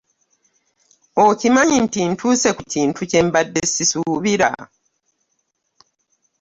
Okimanyi nti ntuuse ku kintu kyembade sisuubira.